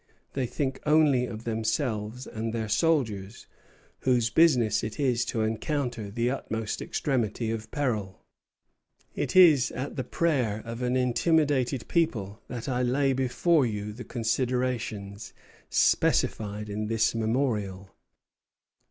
They think only of themselves and their soldiers, whose business it is to encounter the utmost extremity of peril. It is at the prayer of an intimidated people that I lay before you the considerations specified in this memorial."